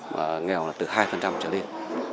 và nghèo là từ hai cho đến